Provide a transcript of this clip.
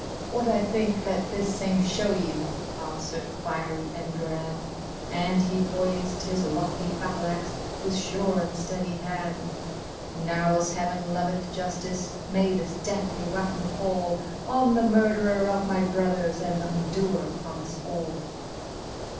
*' What I think let this same show you," answered fiery Enguerrand, And he poised his lofty battle axe with sure and steady hand ;" Now as heaven loveth justice, may this deathly weapon fall On the murderer of my brothers and th' undoer of us all